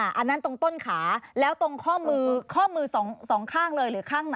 อันนั้นตรงต้นขาแล้วตรงข้อมือข้อมือสองข้างเลยหรือข้างไหน